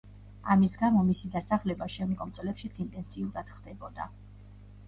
ამის გამო მისი დასახლება შემდგომ წლებშიც ინტენსიურად ხდებოდა.